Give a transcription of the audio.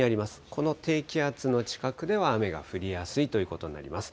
この低気圧の近くでは、雨が降りやすいということになります。